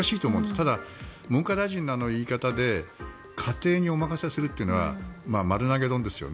ただ、文科大臣のあの言い方で家庭にお任せするというのは丸投げドンですよね。